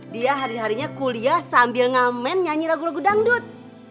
dia hari harinya kuliah sambil ngamen nyanyi lagu lagu dangdut